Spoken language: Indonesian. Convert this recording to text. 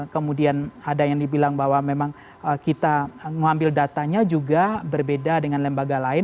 kemudian ada yang dibilang bahwa memang kita mengambil datanya juga berbeda dengan lembaga lain